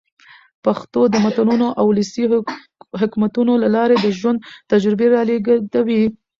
پښتو د متلونو او ولسي حکمتونو له لاري د ژوند تجربې را لېږدوي.